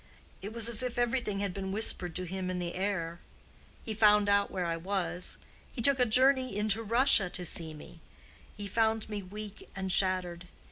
It was as if everything had been whispered to him in the air. He found out where I was. He took a journey into Russia to see me; he found me weak and shattered.